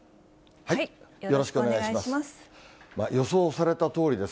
よろしくお願いします。